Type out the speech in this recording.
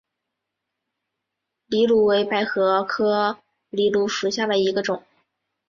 藜芦为百合科藜芦属下的一个种。